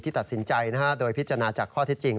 ตัดสินใจโดยพิจารณาจากข้อเท็จจริง